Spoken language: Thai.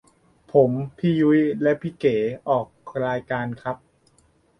ผมพี่ยุ้ยและพี่เก๋ออกรายการครับ